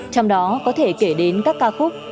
trong đó có thể kể đến các ca khúc